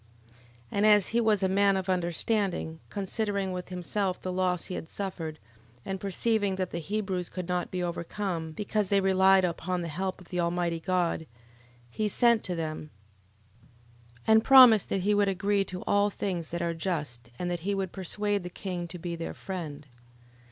11:13. And as he was a man of understanding, considering with himself the loss he had suffered, and perceiving that the Hebrews could not be overcome, because they relied upon the help of the Almighty God, he sent to them: 11:14. And promised that he would agree to all things that are just, and that he would persuade the king to be their friend.